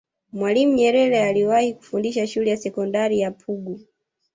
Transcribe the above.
mwalimu nyerere aliwahi kufundisha shule ya sekondari ya pugu